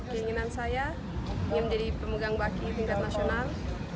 keinginan saya ingin menjadi pemegang baki tingkat nasional